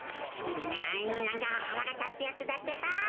えなんかはらがたつやつだってか。